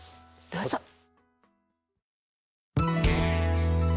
どうぞ。